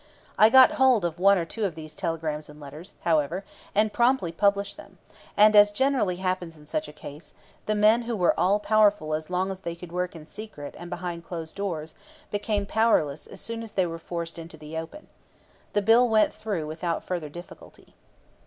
I got hold of one or two of these telegrams and letters, however, and promptly published them; and, as generally happens in such a case, the men who were all powerful as long as they could work in secret and behind closed doors became powerless as soon as they were forced into the open. The bill went through without further difficulty.